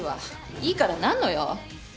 いいから何の用？